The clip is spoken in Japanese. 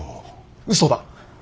うそだ。